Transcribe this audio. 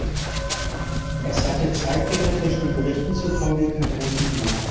Es hatte zeitgenössischen Berichten zufolge kein hohes Niveau.